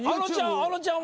あのちゃん。